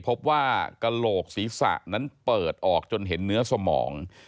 พบว่ากระโหลกศีรษะนั้นเปิดออกจนเห็นเนื้อสมอง